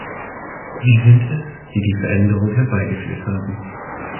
Sie sind es, die die Veränderungen herbeigeführt haben.